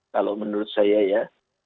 kalau menurut saya ya